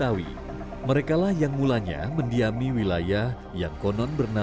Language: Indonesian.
satu ratus empat puluh juta orang diiona batang setelah ruang kontroversi